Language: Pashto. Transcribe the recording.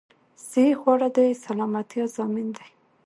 صحې خواړه د سلامتيا ضامن ده